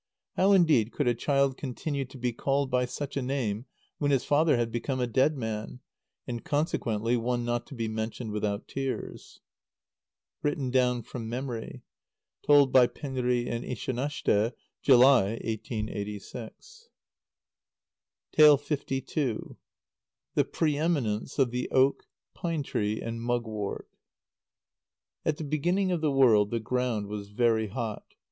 How, indeed, could a child continue to be called by such a name when its father had become a dead man, and consequently one not to be mentioned without tears? (Written down from memory. Told by Penri and Ishanashte, July, 1886.) [F] For the only time in its whole life! lii. The Pre eminence of the Oak, Pine tree, and Mugwort. At the beginning of the world the ground was very hot.